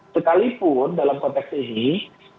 sekalipun dalam konteks ini